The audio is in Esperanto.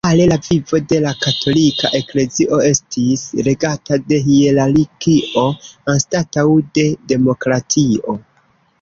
Male la vivo de la katolika eklezio estis regata de hierarkio anstataŭ de demokratio.